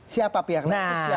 siapa pihak lain